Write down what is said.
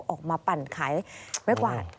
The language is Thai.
ออกมาปั่นขายไม่กวาด